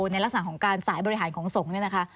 ในลักษณะของการสายบริหารของสงฆ์เนี่ยนะคะ